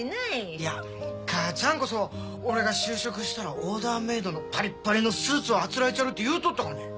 いや母ちゃんこそ俺が就職したらオーダーメードのパリッパリのスーツをあつらえちゃるって言うとったがね。